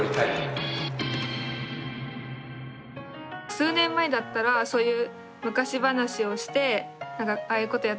数年前だったらそういう昔話をして「ああいうことやったよね